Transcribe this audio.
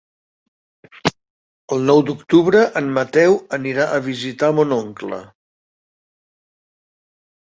El nou d'octubre en Mateu anirà a visitar mon oncle.